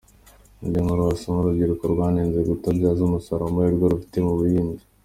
Indi nkuru wasoma: Urubyiruko rwanenzwe kutabyaza umusaruro amahirwe rufite mu buhinzi.